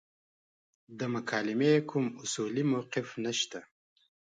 د مکالمې کوم اصولي موقف نشته.